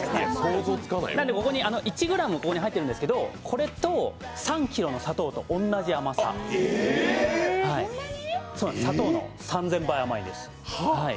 なので、１ｇここに入ってるんですけど、これと３ｋｇの砂糖と同じ甘さ、砂糖の３０００倍甘いんです。